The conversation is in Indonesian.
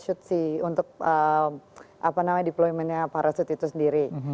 pilot suit sih untuk apa namanya deploymentnya para suit itu sendiri